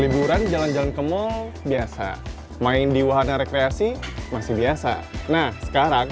liburan jalan jalan ke mall biasa main di wahana rekreasi masih biasa nah sekarang